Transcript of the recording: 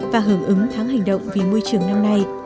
và hưởng ứng tháng hành động vì môi trường năm nay